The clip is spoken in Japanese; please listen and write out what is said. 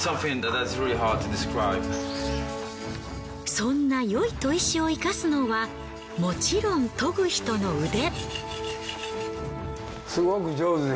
そんなよい砥石を生かすのはもちろん研ぐ人の腕。